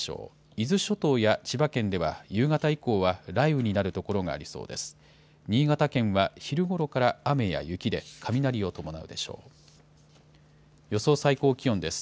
伊豆諸島や千葉県では夕方以降は雷雨になる所がありそうです。